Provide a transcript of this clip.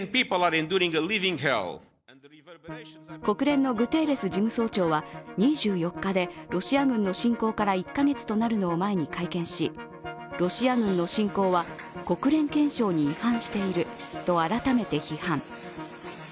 国連のグテーレス事務総長は２４日でロシア軍の侵攻から１カ月となるのを前に会見しロシア軍の侵攻は国連憲章に違反していると改めて批判。